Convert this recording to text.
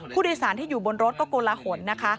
ผู้โดยสารที่อยู่บนรถก็โกลหนนะคะ